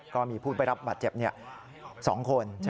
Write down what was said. ก็มีผู้ไปรับบาดเจ็บ๒คน